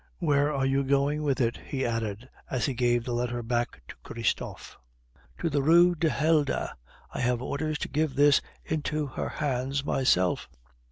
"Where are you going with it?" he added, as he gave the letter back to Christophe. "To the Rue du Helder. I have orders to give this into her hands myself."